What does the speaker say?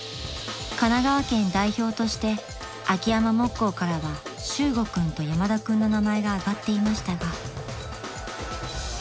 ［神奈川県代表として秋山木工からは修悟君と山田君の名前が挙がっていましたが］